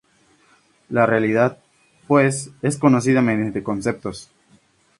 La realidad, pues, es conocida mediante conceptos.